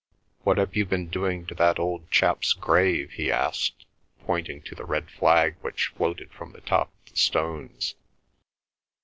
"What have you been doing to that old chap's grave?" he asked, pointing to the red flag which floated from the top of the stones.